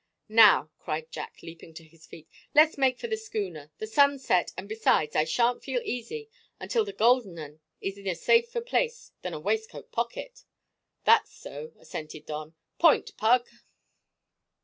"Now," cried Jack, leaping to his feet, "let's make for the schooner. The sun's set, and besides, I shan't feel easy until the golden 'un is in a safer place than a waistcoat pocket." "That's so," assented Don. "Point, Pug!"